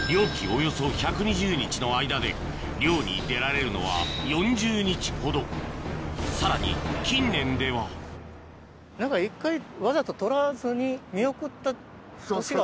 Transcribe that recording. およそ１２０日の間で漁に出られるのは４０日ほどさらに近年では何か１回わざと。